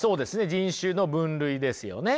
人種の分類ですよね。